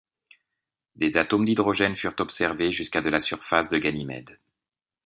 Des atomes d'hydrogène furent observés jusqu'à de la surface de Ganymède.